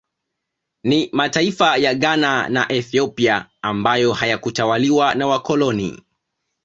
Ni mataifa ya Ghana na Ethiopia ambayo hayakutawaliwa na wakoloni